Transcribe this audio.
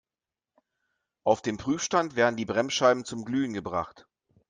Auf dem Prüfstand werden die Bremsscheiben zum Glühen gebracht.